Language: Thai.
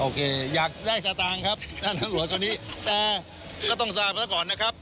อยากได้สตางค์ครับท่านตำรวจตอนนี้แต่ก็ต้องทราบซะก่อนนะครับ